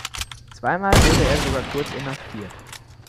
Zweimal wurde er sogar kurz inhaftiert.